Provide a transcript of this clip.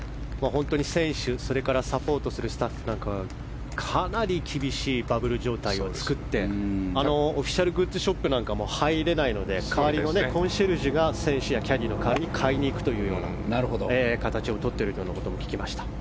選手、それからサポートするスタッフなどはかなり厳しいバブル状態を作ってオフィシャルグッズショップなんかも入れないので代わりのコンシェルジュが選手やキャディーの代わりに買いに行くというような形をとっていると聞きました。